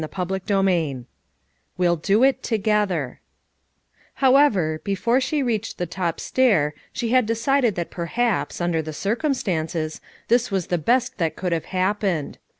CHAPTER XIX "we'll do it together" Howevee, before she reached the top stair she had decided that perhaps, under the cir cumstances, this was the best that could have happened.